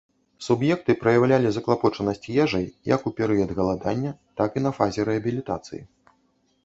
Суб'екты праяўлялі заклапочанасць ежай, як у перыяд галадання, так і на фазе рэабілітацыі.